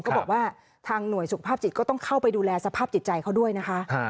ก็บอกว่าทางหน่วยสุขภาพจิตก็ต้องเข้าไปดูแลสภาพจิตใจเขาด้วยนะคะ